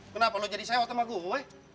kenapa lu jadi sewa sama gue